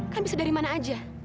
kan bisa dari mana aja